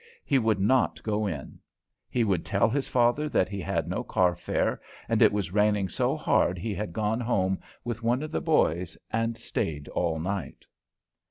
He would not go in. He would tell his father that he had no car fare, and it was raining so hard he had gone home with one of the boys and stayed all night.